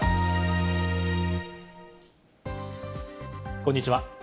こんにちは。